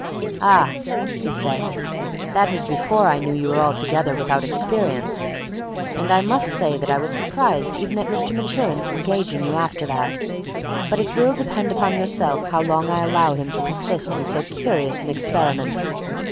"Ah," said he, "that was before I knew you were altogether without experience; and I must say that I was surprised even at Mr. Maturin's engaging you after that; but it will depend upon yourself how long I allow him to persist in so curious an experiment.